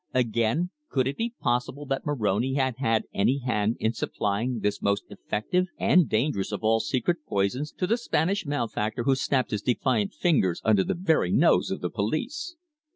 Again, could it be possible that Moroni had had any hand in supplying this most effective and dangerous of all secret poisons to the Spanish malefactor who snapped his defiant fingers under the very nose of the police?